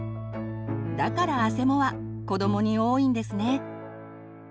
だからあせもは子どもに多いんですね。